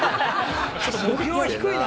目標が低いな。